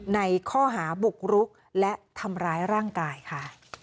ในข้อหาบุกรุกและทำร้ายร่างกายค่ะ